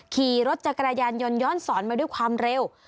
ขี่รถจักรยานยนต์ย้อนสอนมาด้วยความเร็ว